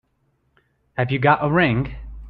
Have you got a ring?